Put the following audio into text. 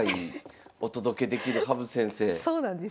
そうなんです。